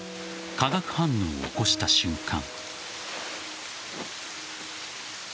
化学反応を起こした瞬間。